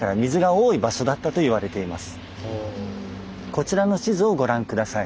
こちらの地図をご覧下さい。